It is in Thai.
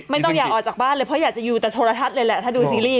ไม่ต้องอยากออกจากบ้านเลยเพราะอยากอยู่แต่โทรธัดเลยแหละถ้าดูซิรี่ย์เนี่ย